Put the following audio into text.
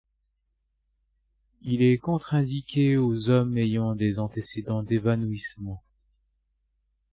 Il est contre-indiqué aux hommes ayant des antécédents d'évanouissements.